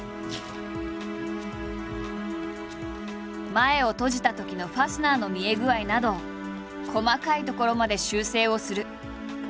前を閉じたときのファスナーの見え具合など細かい所まで修正をする。